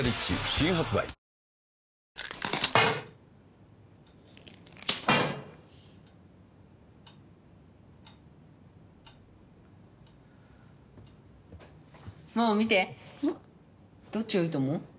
新発売ママ見てどっちがいいと思う？